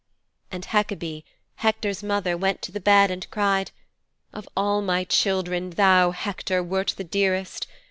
"' 'And Hekabe, Hector's mother, went to the bed and cried "Of all my children thou, Hector, wert the dearest.